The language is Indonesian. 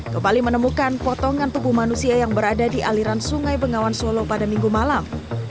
kembali menemukan potongan tubuh manusia yang berada di aliran sungai bengawan solo pada minggu malam